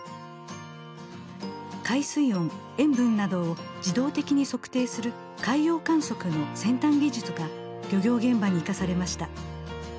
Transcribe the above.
海水温塩分などを自動的に測定する海洋観測の先端技術が漁業現場に生かされました。